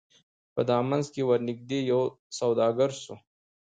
په دامنځ کي ورنیژدې یو سوداګر سو